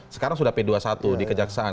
sekarang sudah p dua puluh satu di kejaksaan